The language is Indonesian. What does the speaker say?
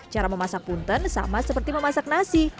cara memasak punten sama seperti memasak nasi